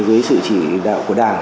với sự chỉ đạo của đảng